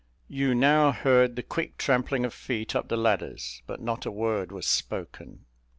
You now heard the quick trampling of feet up the ladders, but not a word was spoken.